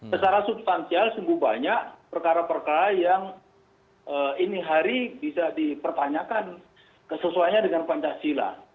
secara substansial sungguh banyak perkara perkara yang ini hari bisa dipertanyakan kesesuaiannya dengan pancasila